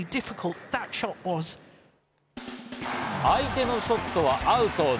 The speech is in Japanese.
相手のショットはアウト。